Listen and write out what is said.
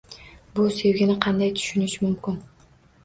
Bu sevgini qanday tushunish mumkin